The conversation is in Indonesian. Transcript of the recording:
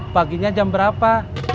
paginya jam berapa